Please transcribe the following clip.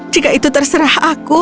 jika itu terserah aku